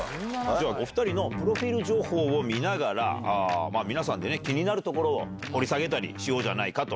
お２人のプロフィール情報を見ながら、皆さんでね、気になるところを掘り下げたりしようじゃないかと。